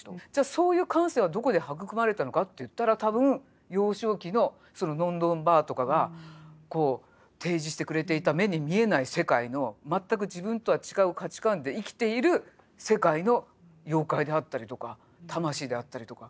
そういう感性はどこで育まれたのかっていったら多分幼少期ののんのんばあとかがこう提示してくれていた目に見えない世界の全く自分とは違う価値観で生きている世界の妖怪であったりとか魂であったりとか。